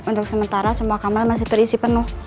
untuk sementara semua kamera masih terisi penuh